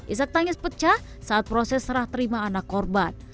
isak tangis pecah saat proses serah terima anak korban